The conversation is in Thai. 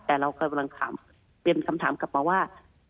แต่เรากำลังเปลี่ยนคำถามกลับมาว่า